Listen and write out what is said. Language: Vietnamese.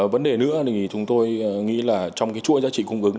vấn đề nữa thì chúng tôi nghĩ là trong cái chuỗi giá trị cung ứng